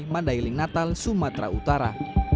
mandailing natal sumatera utara